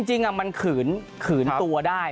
จริงมันขืนตัวได้